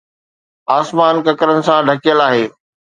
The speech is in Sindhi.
آسمان ڪڪرن سان ڍڪيل آهي